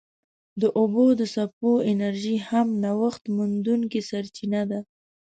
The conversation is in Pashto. د اوبو د څپو انرژي هم نوښت منونکې سرچینه ده.